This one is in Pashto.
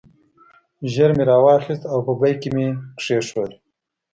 ژر مې را واخیست او په بیک کې مې کېښود.